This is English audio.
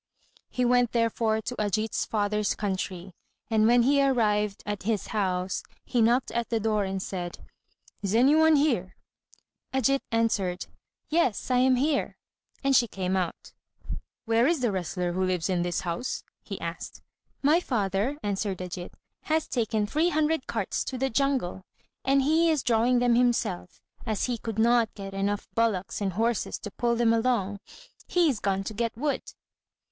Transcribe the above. He went therefore to Ajít's father's country, and when he arrived at his house, he knocked at the door and said, "Is any one here?" Ajít answered, "Yes, I am here;" and she came out. "Where is the wrestler who lives in this house?" he asked. "My father," answered Ajít, "has taken three hundred carts to the jungle, and he is drawing them himself, as he could not get enough bullocks and horses to pull them along. He is gone to get wood."